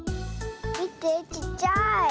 みてちっちゃい。